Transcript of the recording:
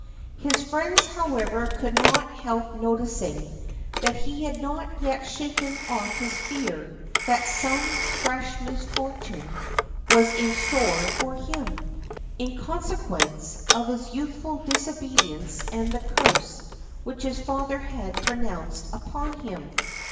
His friends, however, could not help noticing that he had not yet shaken off his fear that some fresh misfortune was in store for him, in consequence of his youthful disobedience and the curse which his father had pronounced upon him.